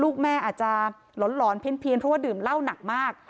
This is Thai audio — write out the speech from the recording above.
ลูกแม่อาจจะหลอนเพี้ยนเพราะว่าดื่มเหล้าหนักมาก